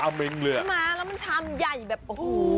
อร่อยมากแล้วมันทำใหญ่แบบโอ้โห